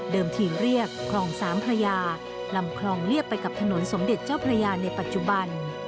ทีมเรียบคลองสามพระยาลำคลองเรียบไปกับถนนสมเด็จเจ้าพระยาในปัจจุบัน